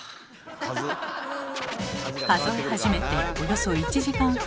数え始めておよそ１時間半。